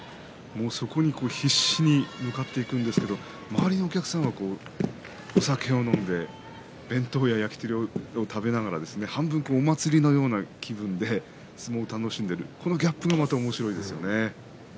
そこに必死に向かっていくんですが周りのお客さんはお酒を飲んで弁当や焼き鳥を食べながら半分、お祭りのような気分で相撲を楽しんでいらっしゃいますよね。